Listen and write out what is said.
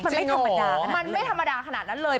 มันไม่ธรรมดาขนาดนั้นเลย